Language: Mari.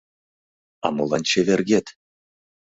— А молан чевергет?